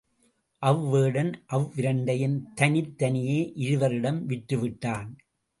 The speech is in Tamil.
அவ் வேடன் அவ்விரண்டையும் தனித் தனியே இருவரிடம் விற்றுவிட்டான்.